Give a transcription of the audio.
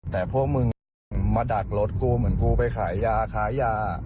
แต่พวกมึงมาดักรถกูเหมือนกูไปขายยาค้ายา